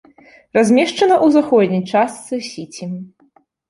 Размешчана ў заходняй частцы сіці.